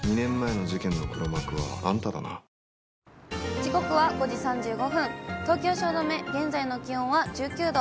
時刻は５時３５分、東京・汐留、現在の気温は１９度。